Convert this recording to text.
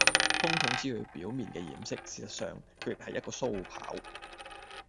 風筒只係表面嘅掩飾，事實上，佢亦係一個鬚刨